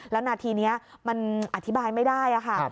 แล้วนาทีนี้มันอธิบายไม่ได้ค่ะ